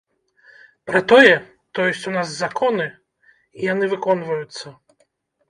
Пра тое, то ёсць у нас законы і яны выконваюцца.